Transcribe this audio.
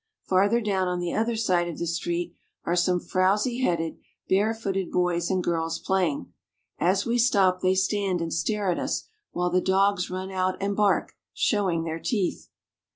Farther down on the other side of the street are some frowsy headed, bare footed boys and girls playing. As we stop, they stand and stare at us, while the dogs run out and bark, showing their teeth.